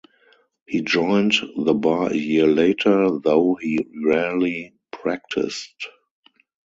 He joined the bar a year later, though he rarely practiced.